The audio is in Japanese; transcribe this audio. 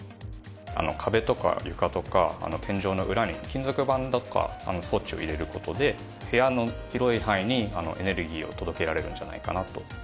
壁とか床とか天井の裏に金属板だとか装置を入れる事で部屋の広い範囲にエネルギーを届けられるんじゃないかなと。